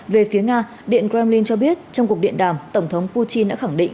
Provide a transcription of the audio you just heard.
về phía nga điện kremlin cho biết trong cuộc điện đàm tổng thống putin đã khẳng định